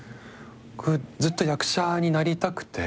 僕ずっと役者になりたくて。